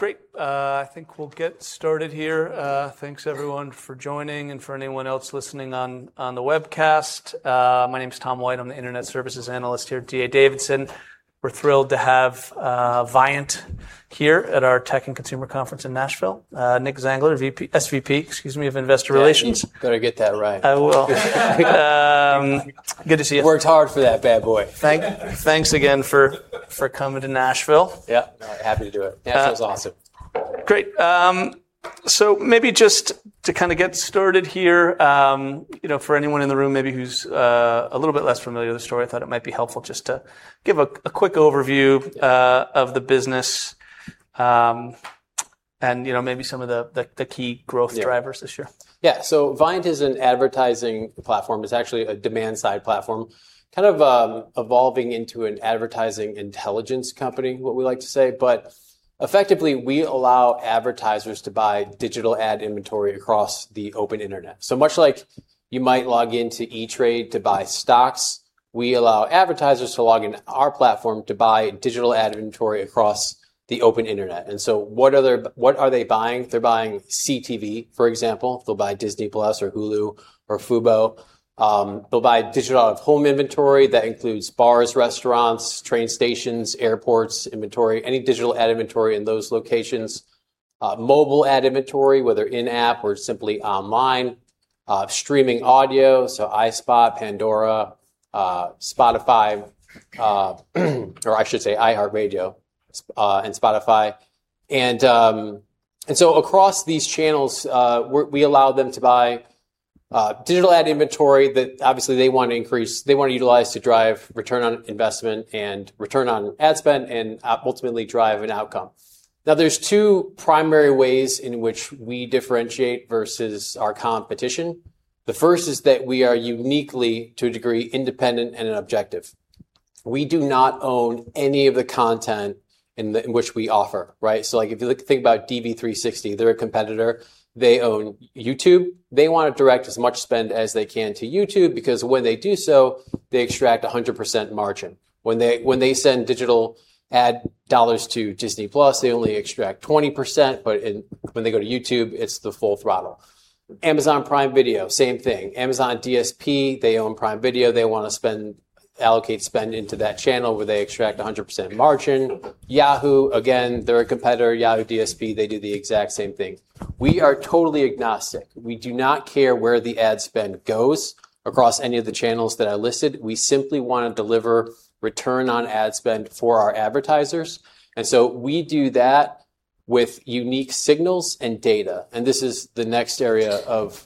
Great. I think we'll get started here. Thanks everyone for joining and for anyone else listening on the webcast. My name's Tom White. I'm the Internet Services Analyst here at D.A. Davidson. We're thrilled to have Viant here at our Tech and Consumer Conference in Nashville. Nicholas Zangler, SVP, excuse me, of Investor Relations. Yeah. Got to get that right. I will. Good to see you. Worked hard for that bad boy. Thanks again for coming to Nashville. Yeah. No, happy to do it. Nashville's awesome. Great. Maybe just to get started here, for anyone in the room maybe who's a little bit less familiar with the story, I thought it might be helpful just to give a quick overview of the business, and maybe some of the key growth drivers this year. Viant is an advertising platform. It's actually a demand-side platform, kind of evolving into an advertising intelligence company, what we like to say. Effectively, we allow advertisers to buy digital ad inventory across the open internet. Much like you might log into E*TRADE to buy stocks, we allow advertisers to log into our platform to buy digital ad inventory across the open internet. What are they buying? They're buying CTV, for example. They'll buy Disney+ or Hulu or Fubo. They'll buy digital out-of-home inventory. That includes bars, restaurants, train stations, airports inventory, any digital ad inventory in those locations. Mobile ad inventory, whether in-app or simply online. Streaming audio, so iSpot, Pandora, Spotify, or I should say iHeartRadio and Spotify. Across these channels, we allow them to buy digital ad inventory that obviously they want to increase, they want to utilize to drive return on investment and return on ad spend, and ultimately drive an outcome. There's two primary ways in which we differentiate versus our competition. The first is that we are uniquely, to a degree, independent and an objective. We do not own any of the content in which we offer, right? If you think about DV360, they're a competitor. They own YouTube. They want to direct as much spend as they can to YouTube, because when they do so, they extract 100% margin. When they send digital ad dollars to Disney+, they only extract 20%, but when they go to YouTube, it's the full throttle. Amazon Prime Video, same thing. Amazon DSP, they own Prime Video. They want to allocate spend into that channel where they extract 100% margin. Yahoo, again, they're a competitor, Yahoo DSP, they do the exact same thing. We are totally agnostic. We do not care where the ad spend goes across any of the channels that I listed. We simply want to deliver return on ad spend for our advertisers, and so we do that with unique signals and data. This is the next area of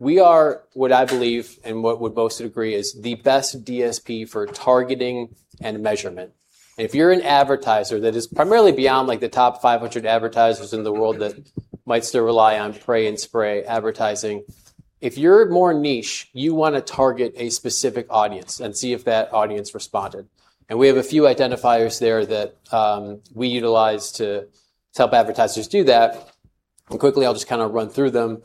differentiation. We are, what I believe and what would most agree, is the best DSP for targeting and measurement. If you're an advertiser that is primarily beyond the top 500 advertisers in the world that might still rely on pray and spray advertising, if you're more niche, you want to target a specific audience and see if that audience responded. We have a few identifiers there that we utilize to help advertisers do that. Quickly I'll just run through them.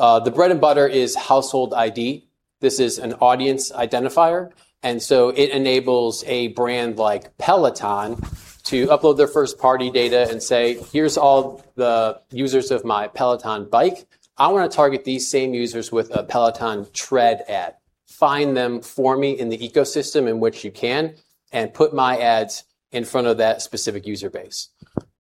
The bread and butter is Household ID. This is an audience identifier, and so it enables a brand like Peloton to upload their first-party data and say, "Here's all the users of my Peloton bike. I want to target these same users with a Peloton tread ad. Find them for me in the ecosystem in which you can and put my ads in front of that specific user base."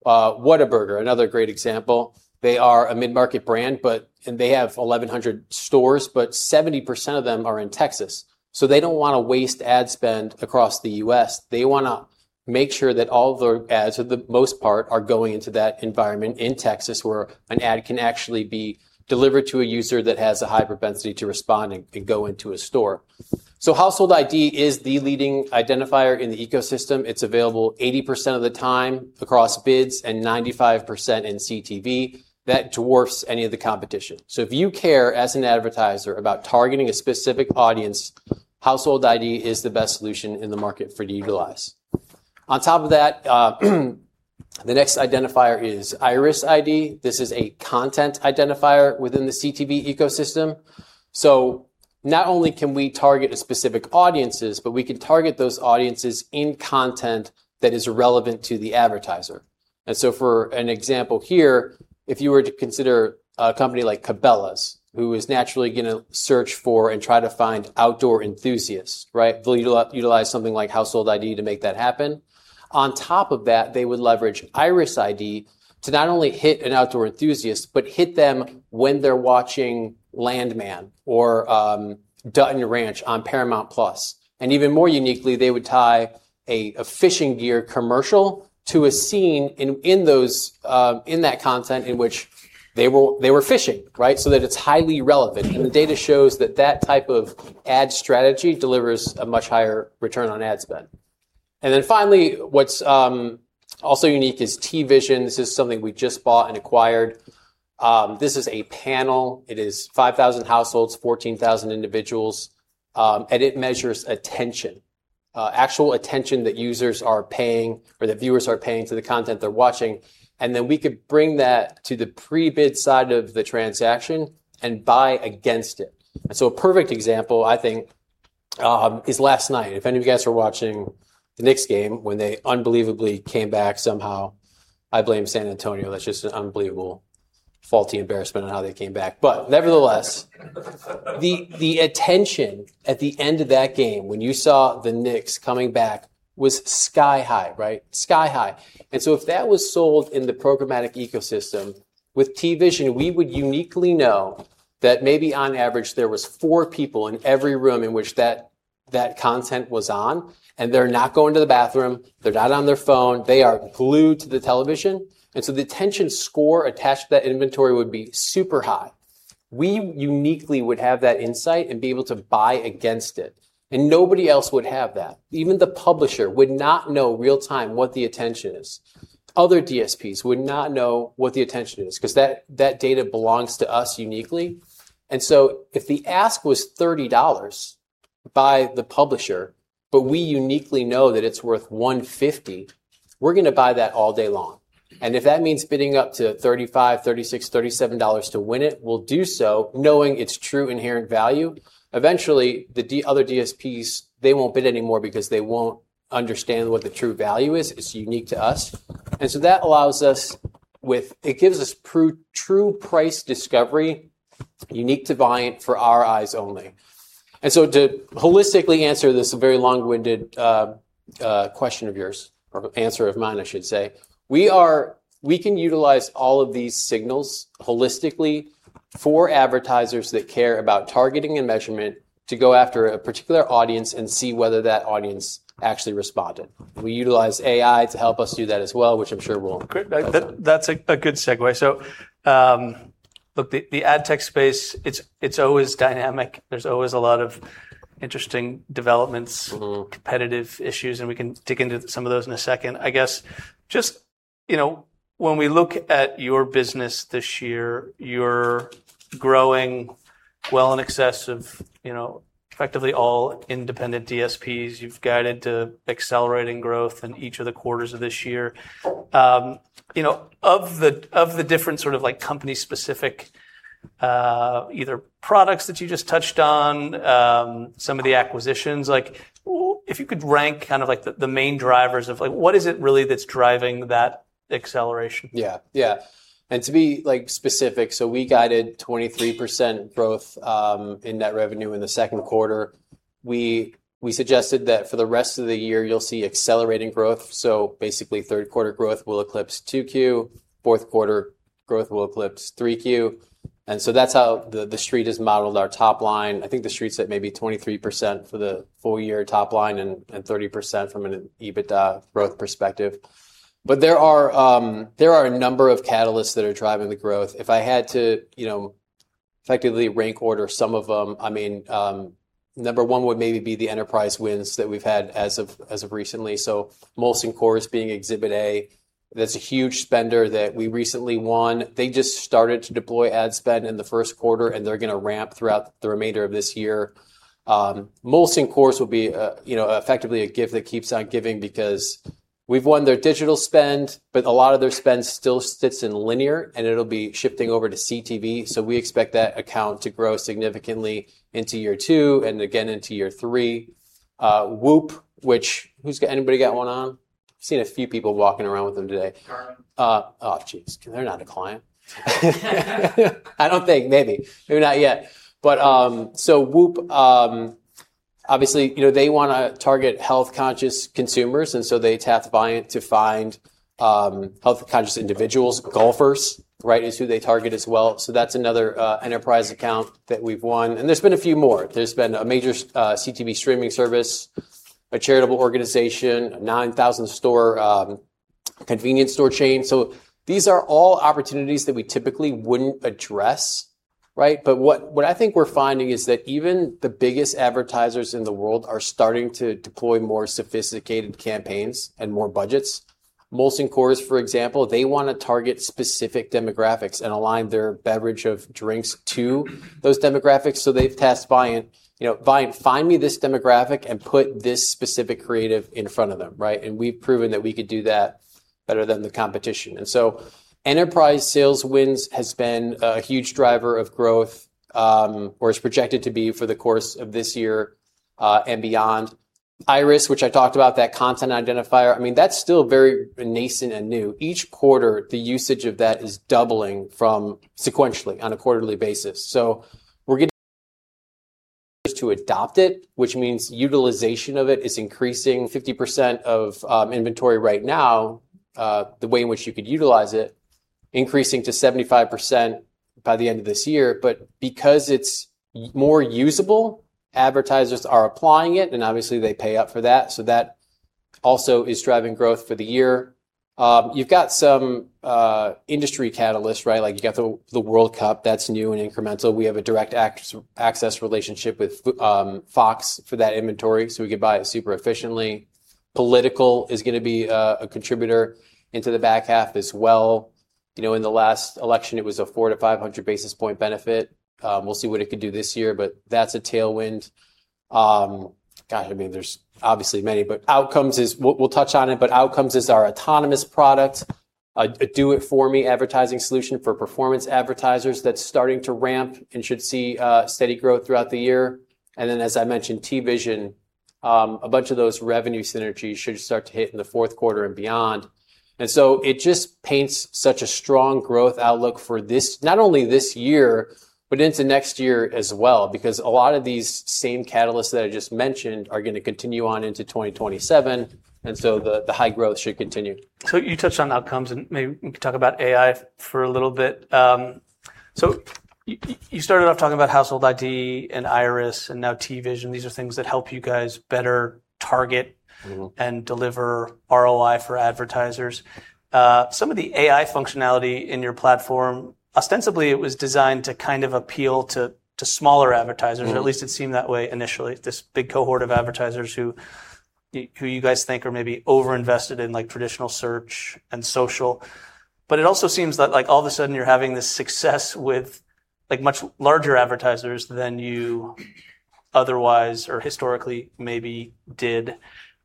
Whataburger, another great example. They are a mid-market brand, and they have 1,100 stores, but 70% of them are in Texas. They don't want to waste ad spend across the U.S. They want to make sure that all of their ads, for the most part, are going into that environment in Texas where an ad can actually be delivered to a user that has a high propensity to respond and can go into a store. Household ID is the leading identifier in the ecosystem. It's available 80% of the time across bids and 95% in CTV. That dwarfs any of the competition. If you care as an advertiser about targeting a specific audience, Household ID is the best solution in the market for you to utilize. On top of that, the next identifier is IRIS_ID. This is a content identifier within the CTV ecosystem. Not only can we target specific audiences, but we can target those audiences in content that is relevant to the advertiser. For an example here, if you were to consider a company like Cabela's, who is naturally going to search for and try to find outdoor enthusiasts, right? They'll utilize something like Household ID to make that happen. On top of that, they would leverage IRIS_ID to not only hit an outdoor enthusiast, but hit them when they're watching "Landman" or "Dutton Ranch" on Paramount+. Even more uniquely, they would tie a fishing gear commercial to a scene in that content in which they were fishing, right? That it's highly relevant. The data shows that type of ad strategy delivers a much higher return on ad spend. Finally, what's also unique is TVision. This is something we just bought and acquired. This is a panel. It is 5,000 households, 14,000 individuals, and it measures attention, actual attention that users are paying or that viewers are paying to the content they're watching. We could bring that to the pre-bid side of the transaction and buy against it. A perfect example, I think, is last night. If any of you guys were watching the Knicks game when they unbelievably came back somehow. I blame San Antonio. That's just an unbelievable faulty embarrassment on how they came back. Nevertheless, the attention at the end of that game, when you saw the Knicks coming back, was sky high. Sky high. If that was sold in the programmatic ecosystem, with TVision, we would uniquely know that maybe on average there was four people in every room in which that content was on, and they're not going to the bathroom, they're not on their phone, they are glued to the television. The attention score attached to that inventory would be super high. We uniquely would have that insight and be able to buy against it, and nobody else would have that. Even the publisher would not know real time what the attention is. Other DSPs would not know what the attention is, because that data belongs to us uniquely. If the ask was $30 by the publisher, but we uniquely know that it's worth $150, we're going to buy that all day long. If that means bidding up to $35, $36, $37 to win it, we'll do so knowing its true inherent value. Eventually, the other DSPs, they won't bid anymore because they won't understand what the true value is. It's unique to us. That gives us true price discovery unique to Viant for our eyes only. To holistically answer this very long-winded question of yours, or answer of mine, I should say, we can utilize all of these signals holistically for advertisers that care about targeting and measurement to go after a particular audience and see whether that audience actually responded. We utilize AI to help us do that as well, which I'm sure we'll touch on. Great. That's a good segue. Look, the ad tech space, it's always dynamic. There's always a lot of interesting developments competitive issues, and we can dig into some of those in a second. I guess, just when we look at your business this year, you're growing well in excess of effectively all independent DSPs. You've guided to accelerating growth in each of the quarters of this year. Of the different sort of company-specific, either products that you just touched on, some of the acquisitions, if you could rank the main drivers of what is it really that's driving that acceleration? Yeah. To be specific, we guided 23% growth in net revenue in the second quarter. We suggested that for the rest of the year, you'll see accelerating growth. Basically, third quarter growth will eclipse 2Q, fourth quarter growth will eclipse 3Q. That's how the Street has modeled our top line. I think the Street's at maybe 23% for the full-year top line and 30% from an EBITDA growth perspective. There are a number of catalysts that are driving the growth. If I had to effectively rank order some of them, number 1 would maybe be the enterprise wins that we've had as of recently. Molson Coors being Exhibit A. That's a huge spender that we recently won. They just started to deploy ad spend in the first quarter, and they're going to ramp throughout the remainder of this year. Molson Coors will be effectively a gift that keeps on giving because we've won their digital spend, but a lot of their spend still sits in linear, and it'll be shifting over to CTV. We expect that account to grow significantly into year two and again into year three. WHOOP, which anybody got one on? I've seen a few people walking around with them today. Oh, geez. They're not a client. I don't think. Maybe. Maybe not yet. WHOOP, obviously, they want to target health-conscious consumers, and so they tapped Viant to find health-conscious individuals. Golfers is who they target as well. That's another enterprise account that we've won. There's been a few more. There's been a major CTV streaming service, a charitable organization, a 9,000-store convenience store chain. These are all opportunities that we typically wouldn't address. What I think we're finding is that even the biggest advertisers in the world are starting to deploy more sophisticated campaigns and more budgets. Molson Coors, for example, they want to target specific demographics and align their beverage of drinks to those demographics. They've tasked Viant, "Viant, find me this demographic and put this specific creative in front of them." We've proven that we could do that better than the competition. Enterprise sales wins has been a huge driver of growth, or is projected to be for the course of this year and beyond. IRIS, which I talked about, that content identifier, that's still very nascent and new. Each quarter, the usage of that is doubling sequentially on a quarterly basis. We're getting to adopt it, which means utilization of it is increasing 50% of inventory right now, the way in which you could utilize it, increasing to 75% by the end of this year. Because it's more usable, advertisers are applying it, and obviously they pay up for that. That also is driving growth for the year. You've got some industry catalysts. You got the World Cup, that's new and incremental. We have a direct access relationship with Fox for that inventory, we could buy it super efficiently. Political is going to be a contributor into the back half as well. In the last election, it was a 4 to 500 basis point benefit. We'll see what it could do this year, that's a tailwind. God, there's obviously many, Outcomes, we'll touch on it, Outcomes is our autonomous product, a do it for me advertising solution for performance advertisers that's starting to ramp and should see steady growth throughout the year. As I mentioned, TVision, a bunch of those revenue synergies should start to hit in the fourth quarter and beyond. It just paints such a strong growth outlook for not only this year, but into next year as well. A lot of these same catalysts that I just mentioned are going to continue on into 2027, the high growth should continue. You touched on Outcomes, maybe we can talk about AI for a little bit. You started off talking about Household ID and IRIS, now TVision. These are things that help you guys better target and deliver ROI for advertisers. Some of the AI functionality in your platform, ostensibly it was designed to kind of appeal to smaller advertisers. At least it seemed that way initially, this big cohort of advertisers who you guys think are maybe over-invested in traditional search and social. It also seems that all of a sudden you're having this success with much larger advertisers than you otherwise or historically maybe did.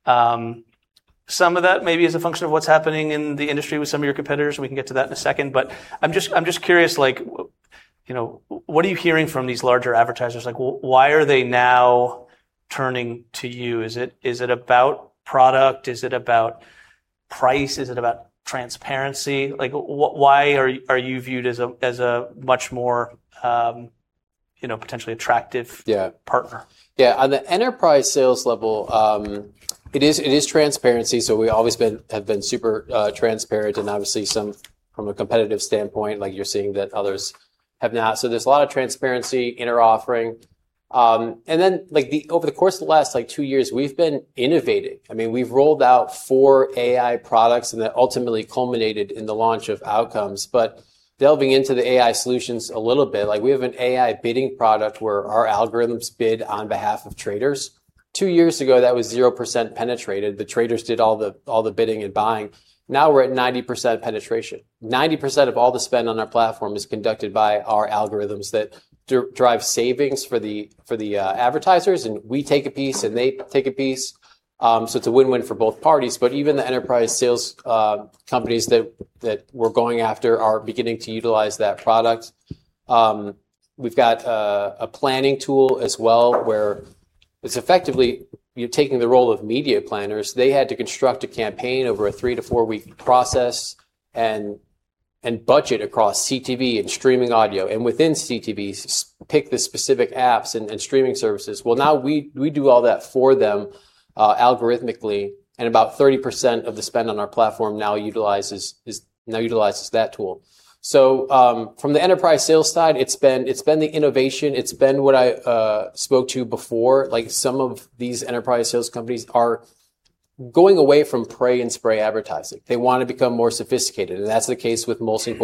Some of that maybe is a function of what's happening in the industry with some of your competitors, we can get to that in a second, but I'm just curious, what are you hearing from these larger advertisers? Why are they now turning to you? Is it about product? Is it about price? Is it about transparency? Why are you viewed as a much more potentially attractive- Yeah Partner? Yeah. On the enterprise sales level, it is transparency. We always have been super transparent and obviously from a competitive standpoint, you're seeing that others have not. There's a lot of transparency in our offering. Over the course of the last two years, we've been innovating. We've rolled out four AI products, that ultimately culminated in the launch of Outcomes. Delving into the AI solutions a little bit, we have an AI bidding product where our algorithms bid on behalf of traders. Two years ago, that was 0% penetrated. The traders did all the bidding and buying. Now we're at 90% penetration. 90% of all the spend on our platform is conducted by our algorithms that drive savings for the advertisers, and we take a piece, and they take a piece. It's a win-win for both parties. Even the enterprise sales companies that we are going after are beginning to utilize that product. We have a planning tool as well, where it is effectively you are taking the role of media planners. They had to construct a campaign over a three-to-four-week process and budget across CTV and streaming audio, and within CTV, pick the specific apps and streaming services. Well, now we do all that for them algorithmically, and about 30% of the spend on our platform now utilizes that tool. From the enterprise sales side, it has been the innovation, it has been what I spoke to before. Some of these enterprise sales companies are going away from pray and spray advertising. They want to become more sophisticated, and that is the case with Molson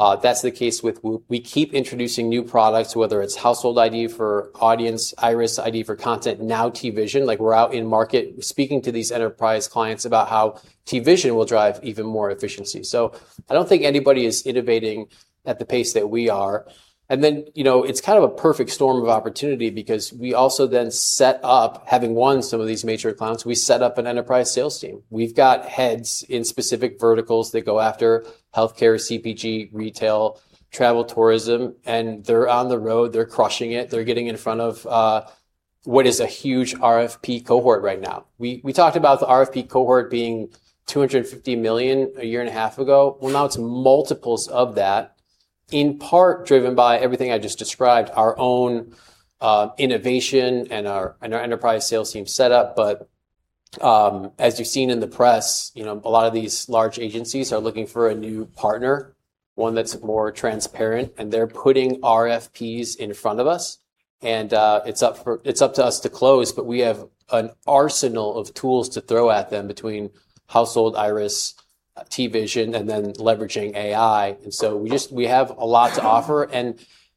Coors. We keep introducing new products, whether it is Household ID for audience, IRIS ID for content, now TVision. We are out in market speaking to these enterprise clients about how TVision will drive even more efficiency. I do not think anybody is innovating at the pace that we are. Then, it is kind of a perfect storm of opportunity because we also then set up, having won some of these major clients, we set up an enterprise sales team. We have heads in specific verticals that go after healthcare, CPG, retail, travel, tourism, and they are on the road. They are crushing it. They are getting in front of what is a huge RFP cohort right now. We talked about the RFP cohort being $250 million a year and a half ago. Well, now it is multiples of that, in part driven by everything I just described, our own innovation and our enterprise sales team set up. As you have seen in the press, a lot of these large agencies are looking for a new partner, one that is more transparent, and they are putting RFPs in front of us. It is up to us to close, but we have an arsenal of tools to throw at them between Household, IRIS, TVision, and then leveraging AI. We have a lot to offer.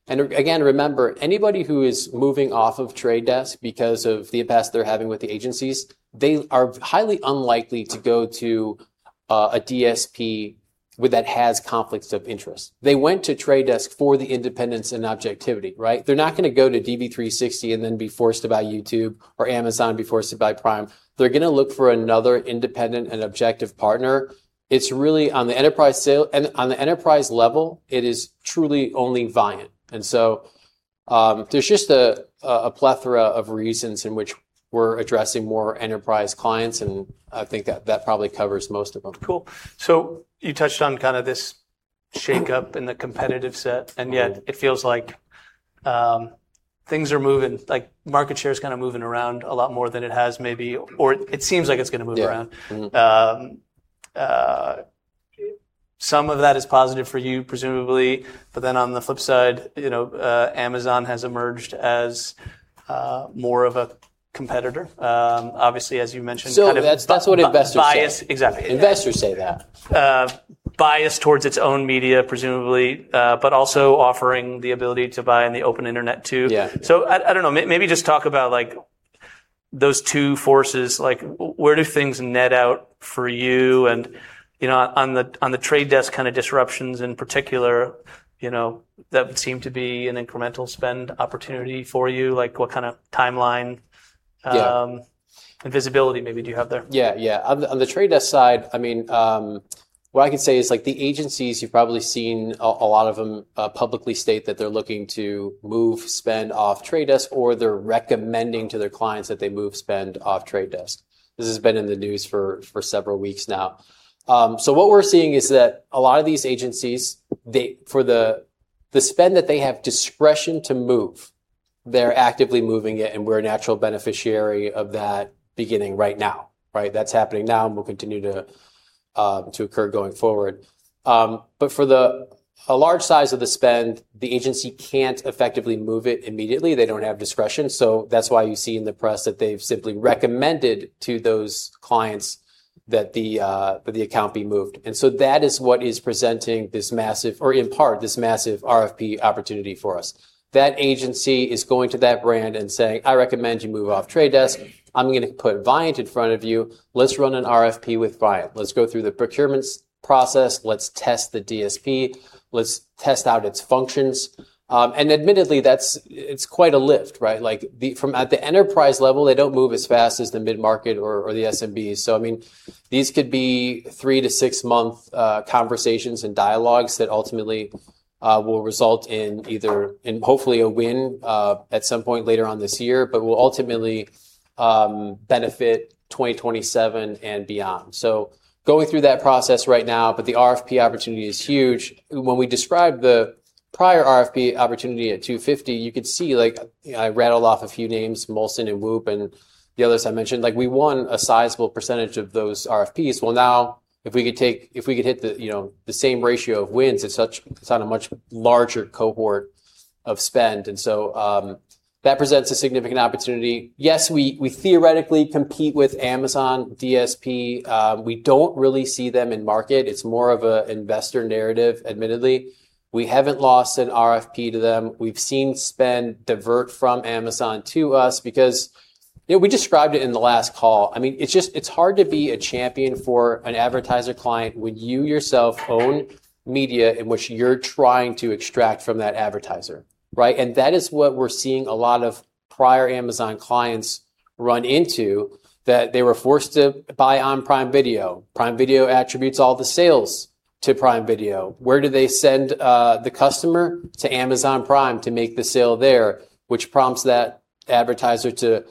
Again, remember, anybody who is moving off of Trade Desk because of the impasse they are having with the agencies, they are highly unlikely to go to a DSP that has conflicts of interest. They went to Trade Desk for the independence and objectivity, right? They are not going to go to DV360 and then be forced to buy YouTube or Amazon, be forced to buy Prime. They are going to look for another independent and objective partner. On the enterprise level, it is truly only Viant. There is just a plethora of reasons in which we are addressing more enterprise clients, and I think that probably covers most of them. Cool. You touched on kind of this shakeup in the competitive set, and yet it feels like things are moving, like market share is kind of moving around a lot more than it has maybe, or it seems like it's going to move around. Yeah. Mm-hmm. Some of that is positive for you, presumably. On the flip side, Amazon has emerged as more of a competitor. Obviously, as you mentioned. That's what investors say. Bias. Exactly. Yeah. Investors say that. Bias towards its own media, presumably, but also offering the ability to buy in the open internet too. Yeah. I don't know. Maybe just talk about those two forces. Where do things net out for you and, on The Trade Desk kind of disruptions in particular, that would seem to be an incremental spend opportunity for you, like what kind of timeline. Yeah And visibility maybe do you have there? Yeah. On The Trade Desk side, I mean, what I can say is the agencies, you've probably seen a lot of them publicly state that they're looking to move spend off The Trade Desk, or they're recommending to their clients that they move spend off The Trade Desk. This has been in the news for several weeks now. What we're seeing is that a lot of these agencies, for the spend that they have discretion to move, they're actively moving it, and we're a natural beneficiary of that beginning right now, right? That's happening now, and will continue to occur going forward. For the large size of the spend, the agency can't effectively move it immediately. They don't have discretion. That's why you see in the press that they've simply recommended to those clients that the account be moved. That is what is presenting, or in part, this massive RFP opportunity for us. That agency is going to that brand and saying, "I recommend you move off The Trade Desk. I'm going to put Viant in front of you. Let's run an RFP with Viant. Let's go through the procurement process. Let's test the DSP. Let's test out its functions." And admittedly, it's quite a lift, right? At the enterprise level, they don't move as fast as the mid-market or the SMBs. These could be three to six-month conversations and dialogues that ultimately will result in hopefully a win at some point later on this year, but will ultimately benefit 2027 and beyond. Going through that process right now, the RFP opportunity is huge. When we describe the prior RFP opportunity at 250, you could see, I rattled off a few names, Molson and WHOOP and the others I mentioned. We won a sizable percentage of those RFPs. Now, if we could hit the same ratio of wins on a much larger cohort of spend, that presents a significant opportunity. Yes, we theoretically compete with Amazon DSP. We don't really see them in market. It's more of an investor narrative, admittedly. We haven't lost an RFP to them. We've seen spend divert from Amazon to us because we described it in the last call. It's hard to be a champion for an advertiser client when you yourself own media in which you're trying to extract from that advertiser, right? That is what we're seeing a lot of prior Amazon clients run into, that they were forced to buy on Prime Video. Prime Video attributes all the sales to Prime Video. Where do they send the customer? To Amazon Prime to make the sale there, which prompts that advertiser to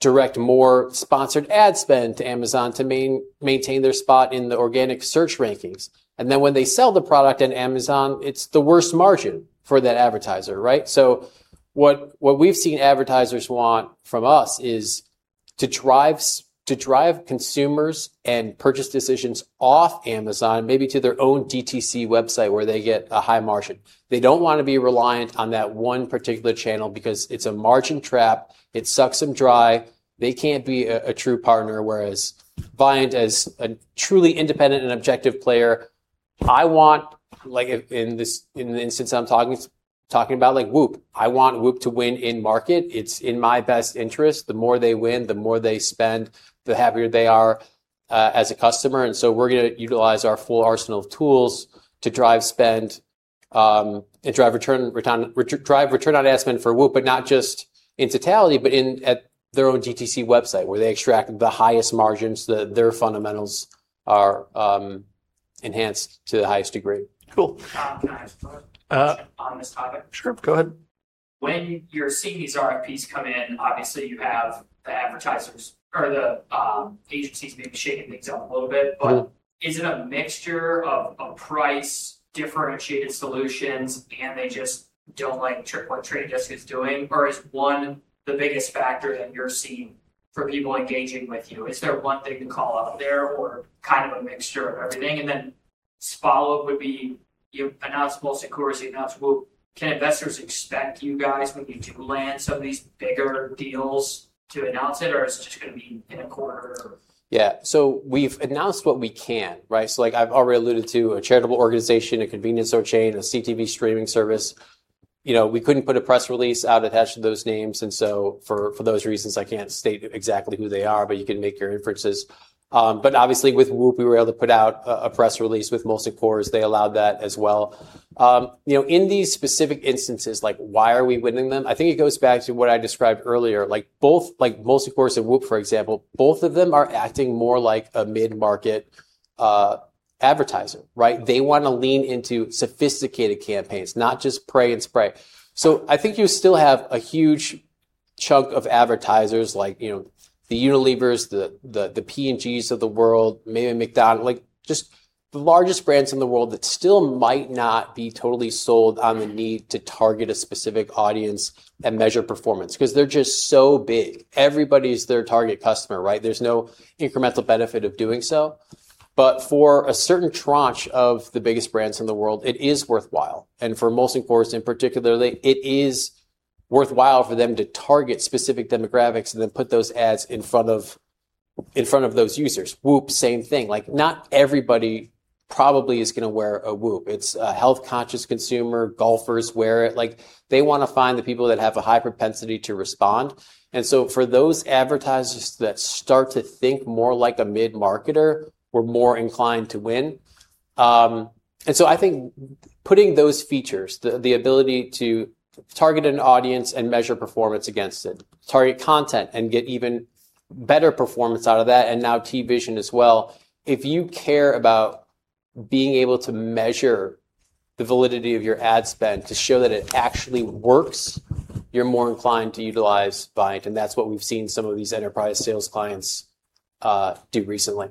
direct more sponsored ad spend to Amazon to maintain their spot in the organic search rankings. When they sell the product on Amazon, it's the worst margin for that advertiser, right? What we've seen advertisers want from us is to drive consumers and purchase decisions off Amazon, maybe to their own DTC website, where they get a high margin. They don't want to be reliant on that one particular channel because it's a margin trap. It sucks them dry. They can't be a true partner, whereas Viant, as a truly independent and objective player, in the instance I'm talking about, like WHOOP, I want WHOOP to win in market. It's in my best interest. The more they win, the more they spend, the happier they are as a customer. We're going to utilize our full arsenal of tools to drive spend and drive return on ad spend for WHOOP, but not just in totality, but at their own DTC website, where they extract the highest margins, their fundamentals are enhanced to the highest degree. Cool. Tom, can I ask a question on this topic? Sure. Go ahead. You're seeing these RFPs come in, obviously you have the advertisers or the agencies maybe shaking things up a little bit. Is it a mixture of price, differentiated solutions, and they just don't like what The Trade Desk is doing? Is one the biggest factor that you're seeing for people engaging with you? Is there one thing to call out there or kind of a mixture of everything? Follow-up would be, you've announced Molson Coors, you announced WHOOP. Can investors expect you guys, when you do land some of these bigger deals, to announce it, or is it just going to be in a quarter? Yeah. We've announced what we can, right? I've already alluded to a charitable organization, a convenience store chain, a CTV streaming service. We couldn't put a press release out attached to those names, for those reasons, I can't state exactly who they are, you can make your inferences. Obviously with WHOOP, we were able to put out a press release. With Molson Coors, they allowed that as well. In these specific instances, why are we winning them? I think it goes back to what I described earlier. Molson Coors and Whoop, for example, both of them are acting more like a mid-market advertiser, right? They want to lean into sophisticated campaigns, not just pray and spray. I think you still have a huge chunk of advertisers like the Unilever, the P&G of the world, maybe McDonald's, just the largest brands in the world that still might not be totally sold on the need to target a specific audience and measure performance because they're just so big. Everybody's their target customer, right? There's no incremental benefit of doing so. For a certain tranche of the biggest brands in the world, it is worthwhile. For Molson Coors in particular, it is worthwhile for them to target specific demographics and then put those ads in front of those users. WHOOP, same thing. Not everybody probably is going to wear a WHOOP. It's a health-conscious consumer. Golfers wear it. They want to find the people that have a high propensity to respond. For those advertisers that start to think more like a mid-marketer, we're more inclined to win. Putting those features, the ability to target an audience and measure performance against it, target content and get even better performance out of that, and now TVision as well. If you care about being able to measure the validity of your ad spend to show that it actually works, you're more inclined to utilize Viant, and that's what we've seen some of these enterprise sales clients do recently.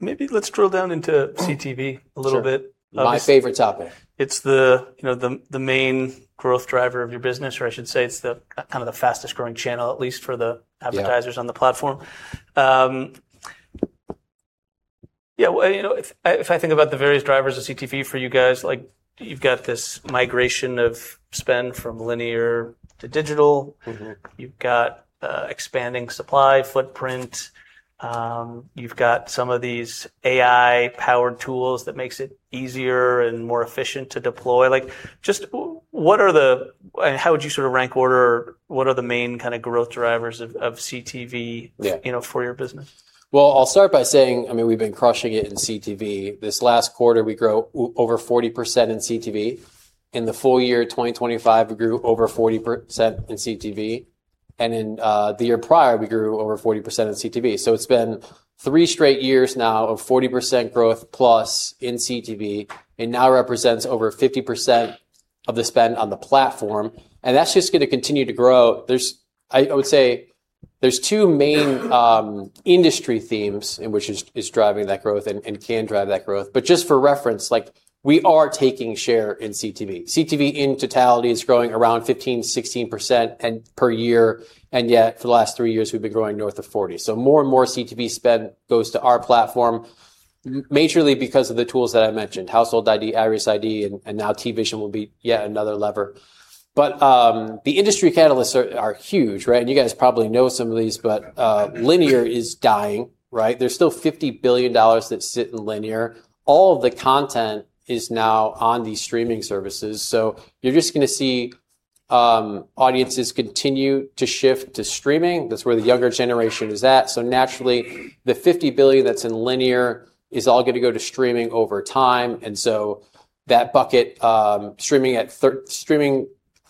Maybe let's drill down into CTV a little bit. Sure. My favorite topic. It's the main growth driver of your business, or I should say it's the kind of the fastest-growing channel, at least for the advertisers. Yeah On the platform. If I think about the various drivers of CTV for you guys, you've got this migration of spend from linear to digital. You've got expanding supply footprint. You've got some of these AI-powered tools that makes it easier and more efficient to deploy. Just how would you sort of rank order what are the main kind of growth drivers of CTV Yeah For your business? Well, I'll start by saying, we've been crushing it in CTV. This last quarter, we grew over 40% in CTV. In the full year 2025, we grew over 40% in CTV. In the year prior, we grew over 40% in CTV. It's been three straight years now of 40% growth plus in CTV, and now represents over 50% of the spend on the platform, and that's just going to continue to grow. I would say there's two main industry themes in which is driving that growth and can drive that growth. Just for reference, we are taking share in CTV. CTV in totality is growing around 15%-16% per year, and yet for the last three years, we've been growing north of 40. More and more CTV spend goes to our platform, majorly because of the tools that I mentioned, Household ID, IRIS_ID, and now TVision will be yet another lever. The industry catalysts are huge, right? You guys probably know some of these, linear is dying, right? There is still $50 billion that sit in linear. All of the content is now on these streaming services. You are just going to see audiences continue to shift to streaming. That is where the younger generation is at. Naturally, the $50 billion that is in linear is all going to go to streaming over time, that bucket streaming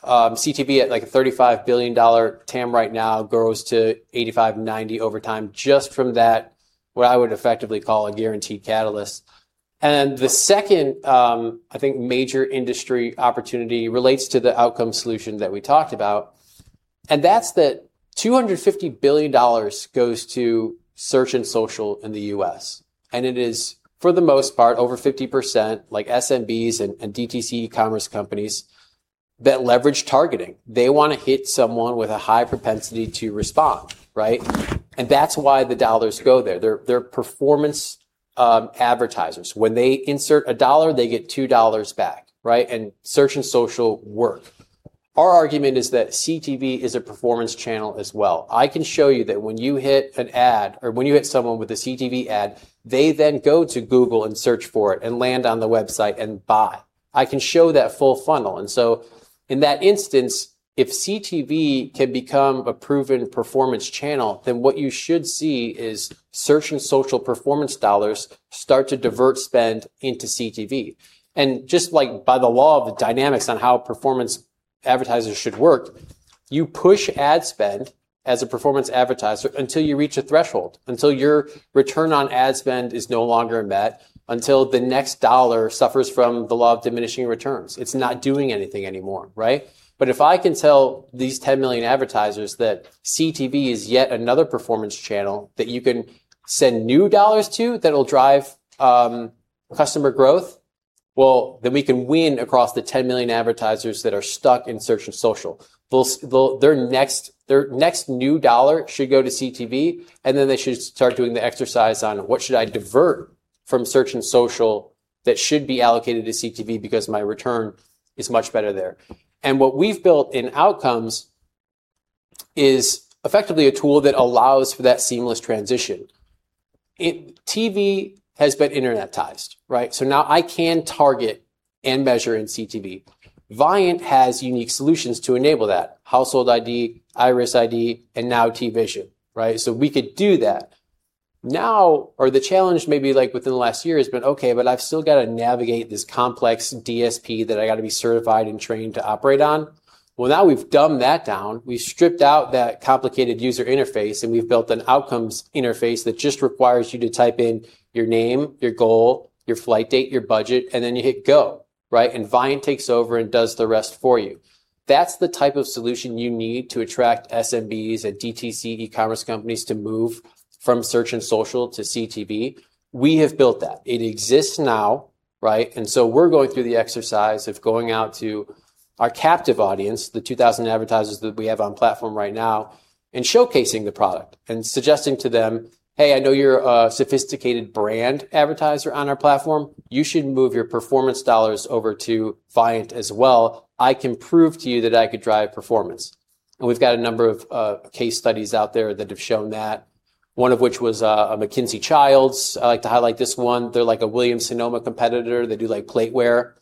CTV at a $35 billion TAM right now grows to $85 billion-$90 billion over time just from that, what I would effectively call a guaranteed catalyst. The second, I think major industry opportunity relates to the Outcomes solution that we talked about, that is that $250 billion goes to search and social in the U.S., it is for the most part, over 50%, like SMBs and DTC e-commerce companies that leverage targeting. They want to hit someone with a high propensity to respond, right? That is why the dollars go there. They are performance advertisers. When they insert a dollar, they get $2 back, right? Search and social work. Our argument is that CTV is a performance channel as well. I can show you that when you hit an ad or when you hit someone with a CTV ad, they then go to Google and search for it and land on the website and buy. I can show that full funnel. In that instance, if CTV can become a proven performance channel, then what you should see is search and social performance dollars start to divert spend into CTV. Just like by the law of the dynamics on how performance advertisers should work, you push ad spend as a performance advertiser until you reach a threshold, until your return on ad spend is no longer met, until the next dollar suffers from the law of diminishing returns. It is not doing anything anymore, right? If I can tell these 10 million advertisers that CTV is yet another performance channel that you can send new dollars to, that will drive customer growth, then we can win across the 10 million advertisers that are stuck in search and social. Their next new dollar should go to CTV, then they should start doing the exercise on what should I divert from search and social that should be allocated to CTV because my return is much better there. What we have built in Outcomes is effectively a tool that allows for that seamless transition. TV has been internetized, right? Now I can target and measure in CTV. Viant has unique solutions to enable that, Household ID, IRIS_ID, and now TVision, right? We could do that. Now or the challenge maybe within the last year has been, okay, I have still got to navigate this complex DSP that I got to be certified and trained to operate on. Now we have dumbed that down. We've stripped out that complicated user interface, we've built an Outcomes interface that just requires you to type in your name, your goal, your flight date, your budget, then you hit go, right? Viant takes over and does the rest for you. That's the type of solution you need to attract SMBs and DTC e-commerce companies to move from search and social to CTV. We have built that. It exists now, right? We're going through the exercise of going out to our captive audience, the 2,000 advertisers that we have on platform right now, and showcasing the product and suggesting to them, "Hey, I know you're a sophisticated brand advertiser on our platform. You should move your performance dollars over to Viant as well. I can prove to you that I could drive performance. We've got a number of case studies out there that have shown that, one of which was a MacKenzie-Childs. I like to highlight this one. They're like a Williams-Sonoma competitor. They do plateware.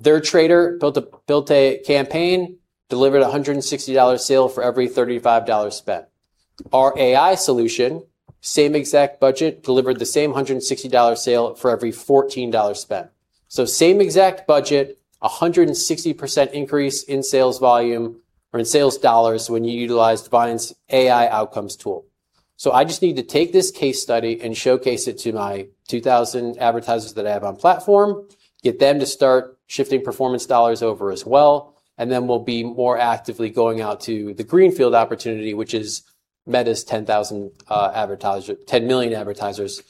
Their trader built a campaign, delivered a $160 sale for every $35 spent. Our AI solution, same exact budget, delivered the same $160 sale for every $14 spent. Same exact budget, 160% increase in sales volume or in sales dollars when you utilize Viant's AI Outcomes tool. I just need to take this case study and showcase it to my 2,000 advertisers that I have on platform, get them to start shifting performance dollars over as well, then we'll be more actively going out to the greenfield opportunity, which is Meta's 10 million advertisers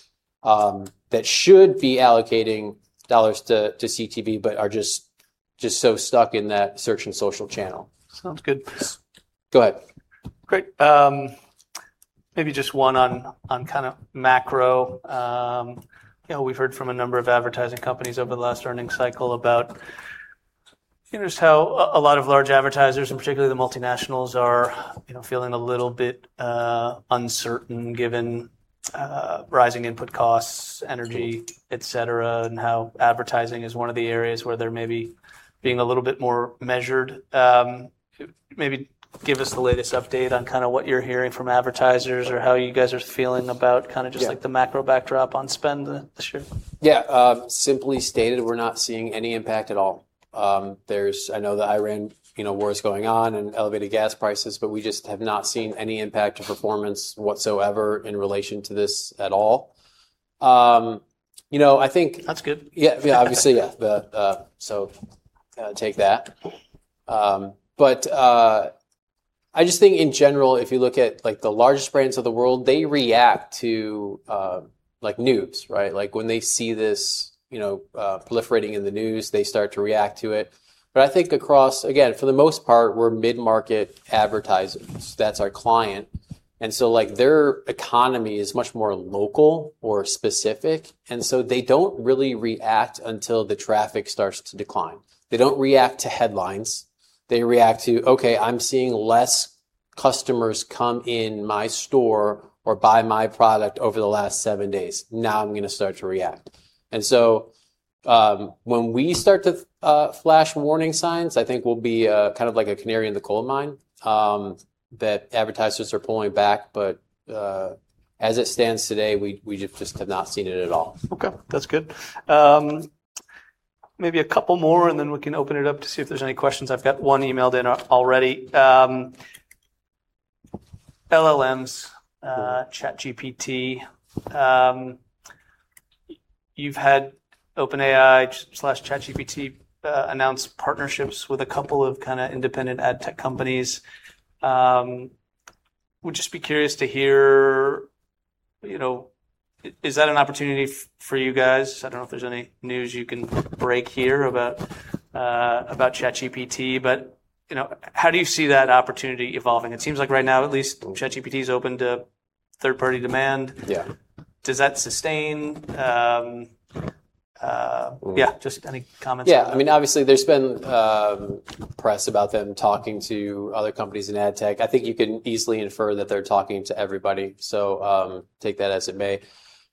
that should be allocating dollars to CTV, are just so stuck in that search and social channel. Sounds good. Go ahead. Great. Maybe just one on kind of macro. We've heard from a number of advertising companies over the last earnings cycle about just how a lot of large advertisers, and particularly the multinationals, are feeling a little bit uncertain given rising input costs, energy, et cetera, and how advertising is one of the areas where they're maybe being a little bit more measured. Maybe give us the latest update on what you're hearing from advertisers or how you guys are feeling about kind of just- Yeah The macro backdrop on spend this year. Yeah. Simply stated, we're not seeing any impact at all. I know the tariff war's going on and elevated gas prices, but we just have not seen any impact to performance whatsoever in relation to this at all. I think- That's good. Yeah. Obviously, yeah. Take that. I just think in general, if you look at the largest brands of the world, they react to news, right? When they see this proliferating in the news, they start to react to it. I think across, again, for the most part, we're mid-market advertisers. That's our client, and their economy is much more local or specific, and they don't really react until the traffic starts to decline. They don't react to headlines. They react to, "Okay, I'm seeing less customers come in my store or buy my product over the last seven days. Now I'm going to start to react." When we start to flash warning signs, I think we'll be kind of like a canary in the coal mine that advertisers are pulling back. As it stands today, we just have not seen it at all. Okay. That's good. Maybe a couple more, and then we can open it up to see if there's any questions. I've got one emailed in already. LLMs, ChatGPT. You've had OpenAI/ChatGPT announce partnerships with a couple of kind of independent ad tech companies. Would just be curious to hear, is that an opportunity for you guys? I don't know if there's any news you can break here about ChatGPT, but how do you see that opportunity evolving? It seems like right now at least, ChatGPT is open to third-party demand. Yeah. Does that sustain? Yeah, just any comments about that. Yeah. Obviously there's been press about them talking to other companies in ad tech. I think you can easily infer that they're talking to everybody, so take that as it may.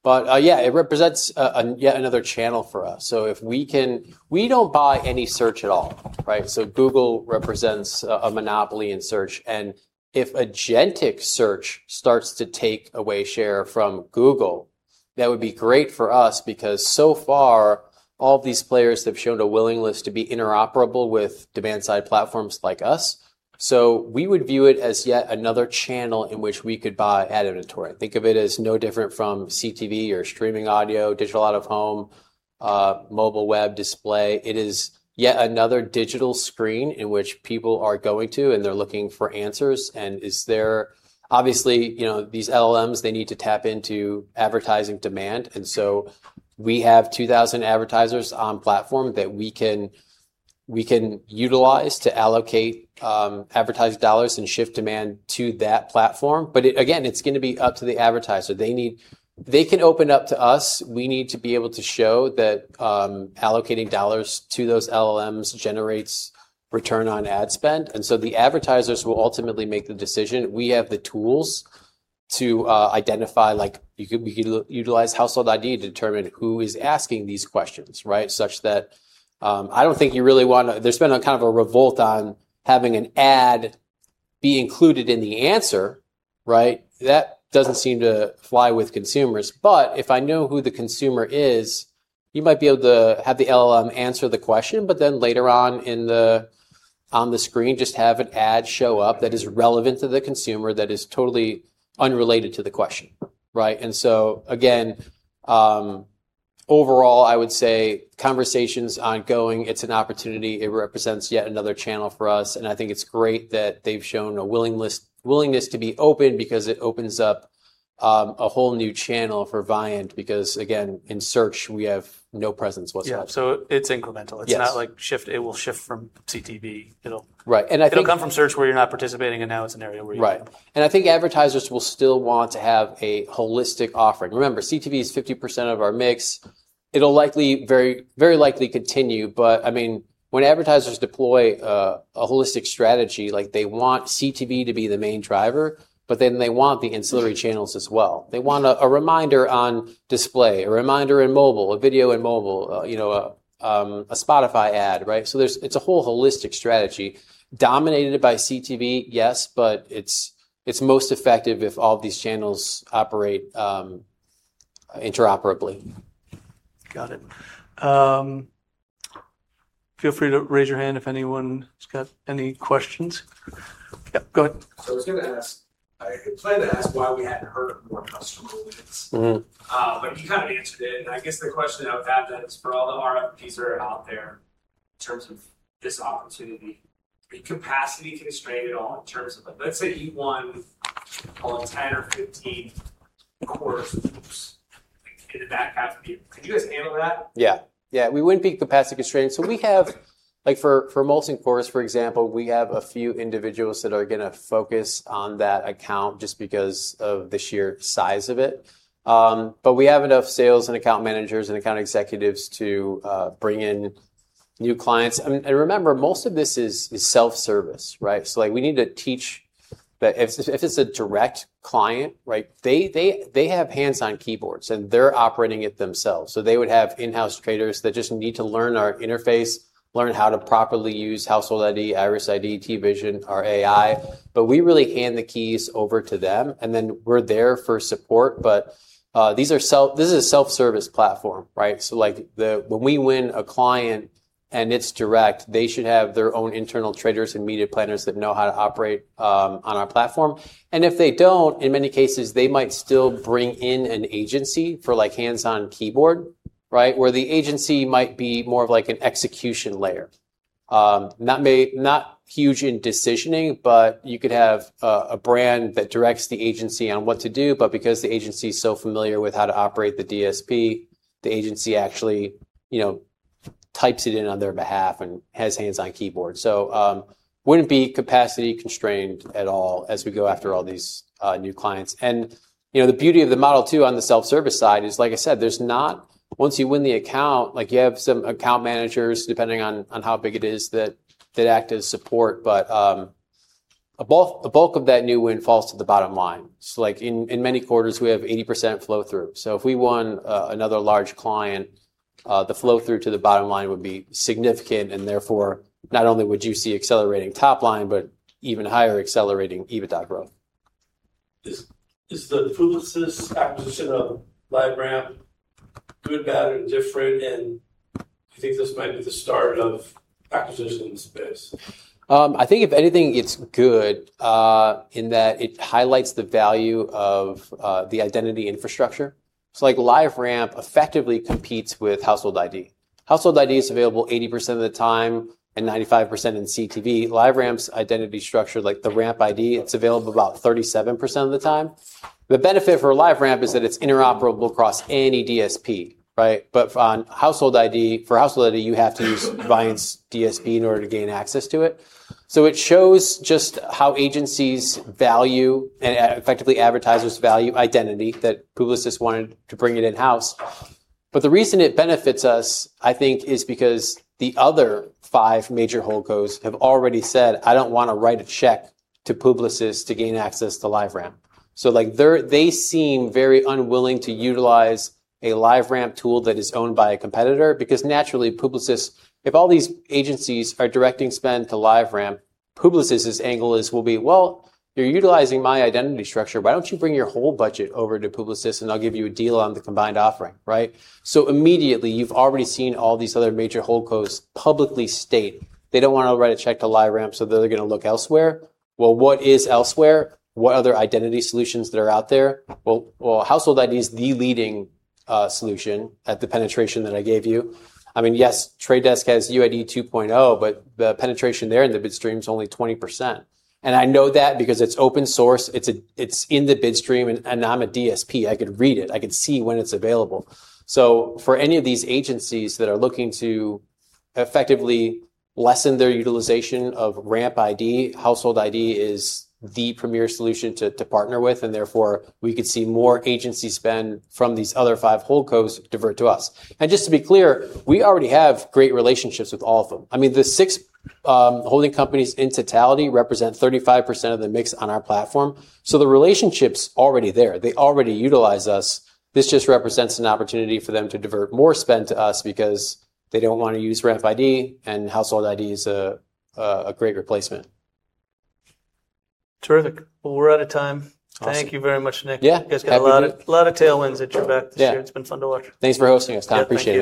Yeah, it represents yet another channel for us. We don't buy any search at all, right? Google represents a monopoly in search, and if a generative search starts to take away share from Google, that would be great for us because so far, all these players have shown a willingness to be interoperable with demand-side platforms like us. We would view it as yet another channel in which we could buy ad inventory. Think of it as no different from CTV or streaming audio, digital out of home, mobile web display. It is yet another digital screen in which people are going to and they're looking for answers. Obviously, these LLMs, they need to tap into advertising demand, we have 2,000 advertisers on platform that we can utilize to allocate advertised dollars and shift demand to that platform. Again, it's going to be up to the advertiser. They can open up to us. We need to be able to show that allocating dollars to those LLMs generates return on ad spend, the advertisers will ultimately make the decision. We have the tools to identify, like we could utilize Household ID to determine who is asking these questions, right? There's been a kind of a revolt on having an ad be included in the answer, right? That doesn't seem to fly with consumers. If I know who the consumer is, you might be able to have the LLM answer the question, but then later on the screen, just have an ad show up that is relevant to the consumer that is totally unrelated to the question, right? Again, overall, I would say conversation's ongoing. It's an opportunity. It represents yet another channel for us, and I think it's great that they've shown a willingness to be open because it opens up a whole new channel for Viant because again, in search, we have no presence whatsoever. Yeah. It's incremental. Yes. It's not like it will shift from CTV. Right. It'll come from search where you're not participating, and now it's an area where you can. Right. I think advertisers will still want to have a holistic offering. Remember, CTV is 50% of our mix. It'll very likely continue. When advertisers deploy a holistic strategy, they want CTV to be the main driver, but then they want the ancillary channels as well. They want a reminder on display, a reminder in mobile, a video in mobile, a Spotify ad. It's a whole holistic strategy dominated by CTV, yes, but it's most effective if all these channels operate interoperably. Got it. Feel free to raise your hand if anyone's got any questions. Yeah, go ahead. I was going to ask, I had planned to ask why we hadn't heard of more customer wins. You kind of answered it. I guess the question I would have then is for all the RFPs that are out there in terms of this opportunity, are you capacity constrained at all in terms of, let's say you won 10 or 15 Fortune 500s? Could that happen to you? Could you guys handle that? Yeah. We wouldn't be capacity constrained. We have, like for Molson Coors, for example, we have a few individuals that are going to focus on that account just because of the sheer size of it. We have enough sales and account managers and account executives to bring in new clients. Remember, most of this is self-service, right? We need to teach If it's a direct client, they have hands on keyboards and they're operating it themselves. They would have in-house traders that just need to learn our interface, learn how to properly use Household ID, IRIS ID, TVision, our AI. We really hand the keys over to them, and then we're there for support. This is a self-service platform. When we win a client and it's direct, they should have their own internal traders and media planners that know how to operate on our platform. If they don't, in many cases, they might still bring in an agency for hands-on keyboard. The agency might be more of an execution layer, not huge in decisioning, but you could have a brand that directs the agency on what to do. Because the agency's so familiar with how to operate the DSP, the agency actually types it in on their behalf and has hands-on keyboard. It wouldn't be capacity constrained at all as we go after all these new clients. The beauty of the model too, on the self-service side is, like I said, once you win the account, you have some account managers depending on how big it is that act as support. The bulk of that new win falls to the bottom line. Like in many quarters, we have 80% flow-through. If we won another large client, the flow-through to the bottom line would be significant and therefore, not only would you see accelerating top line, but even higher accelerating EBITDA growth. Is the Publicis acquisition of LiveRamp good, bad, or different? Do you think this might be the start of acquisition space? I think if anything, it's good, in that it highlights the value of the identity infrastructure. LiveRamp effectively competes with Household ID. Household ID is available 80% of the time and 95% in CTV. LiveRamp's identity structure, like the RampID, it's available about 37% of the time. The benefit for LiveRamp is that it's interoperable across any DSP. For Household ID, you have to use Viant's DSP in order to gain access to it. It shows just how agencies value and effectively advertisers value identity, that Publicis wanted to bring it in-house. The reason it benefits us, I think, is because the other five major holdcos have already said, "I don't want to write a check to Publicis to gain access to LiveRamp." They seem very unwilling to utilize a LiveRamp tool that is owned by a competitor because naturally Publicis, if all these agencies are directing spend to LiveRamp, Publicis' angle will be, "Well, you're utilizing my identity structure. Why don't you bring your whole budget over to Publicis, and I'll give you a deal on the combined offering?" Immediately, you've already seen all these other major holdcos publicly state they don't want to write a check to LiveRamp, so they're going to look elsewhere. Well, what is elsewhere? What other identity solutions that are out there? Well, Household ID is the leading solution at the penetration that I gave you. Yes, Trade Desk has UID 2.0, but the penetration there in the bid stream is only 20%. I know that because it's open source, it's in the bid stream, and I'm a DSP. I could read it. I could see when it's available. For any of these agencies that are looking to effectively lessen their utilization of RampID, Household ID is the premier solution to partner with, and therefore, we could see more agency spend from these other five holdcos divert to us. Just to be clear, we already have great relationships with all of them. The six holding companies in totality represent 35% of the mix on our platform. The relationship's already there. They already utilize us. This just represents an opportunity for them to divert more spend to us because they don't want to use RampID and Household ID is a great replacement. Terrific. Well, we're out of time. Awesome. Thank you very much, Nick. Yeah. Happy to. You guys got a lot of tailwinds at your back this year. Yeah. It's been fun to watch. Thanks for hosting us, Tom. Appreciate it, man.